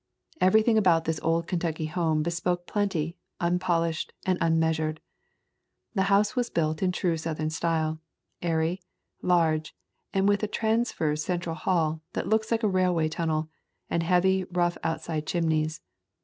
Every thing about this old Kentucky home bespoke plenty, unpolished and unmeasured. The house was built in true Southern style, airy, large, and with a transverse central hall that looks like a railway tunnel, and heavy rough out side chimneys.